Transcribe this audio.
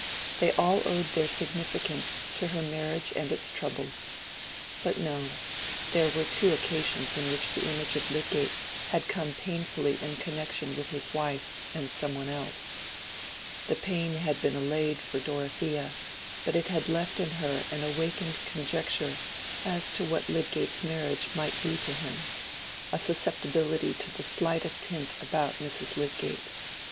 They all owed their significance to her marriage and its troubles—but no; there were two occasions in which the image of Lydgate had come painfully in connection with his wife and some one else. The pain had been allayed for Dorothea, but it had left in her an awakened conjecture as to what Lydgate's marriage might be to him, a susceptibility to the slightest hint about Mrs. Lydgate.